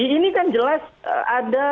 ini kan jelas ada